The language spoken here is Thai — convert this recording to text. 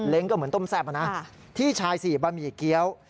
ก็เหมือนต้มแซ่บนะพี่ชายสี่บะหมี่เกี้ยว